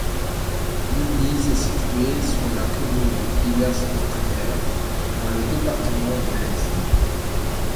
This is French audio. L'église est située sur la commune de Villers-en-Prayères, dans le département de l'Aisne.